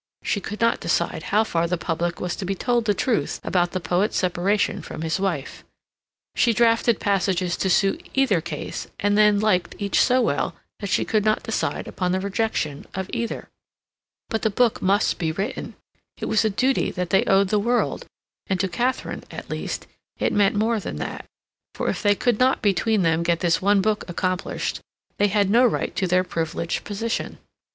She could not decide how far the public was to be told the truth about the poet's separation from his wife. She drafted passages to suit either case, and then liked each so well that she could not decide upon the rejection of either. But the book must be written. It was a duty that they owed the world, and to Katharine, at least, it meant more than that, for if they could not between them get this one book accomplished they had no right to their privileged position.